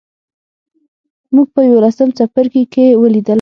موږ په یوولسم څپرکي کې ولیدل.